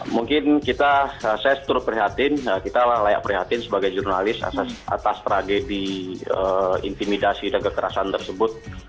mungkin kita saya turut prihatin kita layak prihatin sebagai jurnalis atas tragedi intimidasi dan kekerasan tersebut